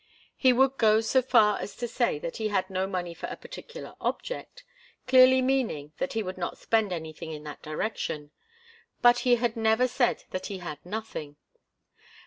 He would go so far as to say that he had no money for a particular object, clearly meaning that he would not spend anything in that direction, but he had never said that he had nothing.